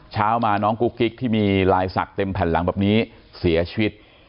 เช้ามาน้องกุ๊กกิ๊กที่มีลายศักดิ์เต็มแผ่นหลังแบบนี้เสียชีวิต